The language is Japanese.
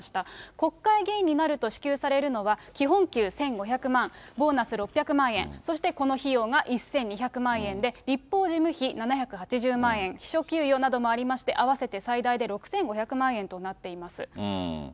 国会議員になると支給されるのは、基本給１５００万、ボーナス６００万円、そしてこの費用が１２００万円で、一方、事務費７８０万円、秘書給与などもありまして、合わせて最大で６５００万円となっています。